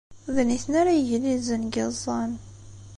D nitni ara yeglilzen deg yiẓẓan.